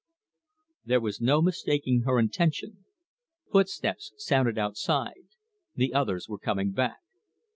There was no mistaking her intention. Footsteps sounded outside. The others were coming back.